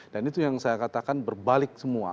itu yang saya katakan berbalik semua